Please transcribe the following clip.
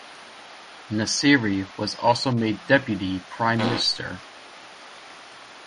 Nassiri was also made deputy prime minister.